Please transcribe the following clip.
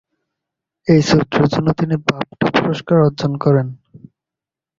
এই চরিত্রের জন্য তিনি বাফটা পুরস্কার অর্জন করেন।